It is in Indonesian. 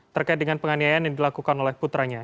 terkait dengan penganiayaan yang dilakukan oleh putranya